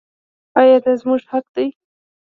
آیا دا زموږ حق دی؟